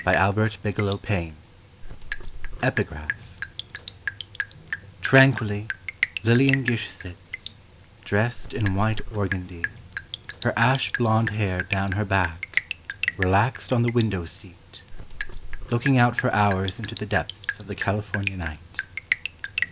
J. LITTLE AND IVES COMPANY, NEW YORK "Tranquilly, Lillian Gish sits, dressed in white organdie, her ash blond hair down her back, relaxed on the window seat, looking out for hours into the depths of the California night.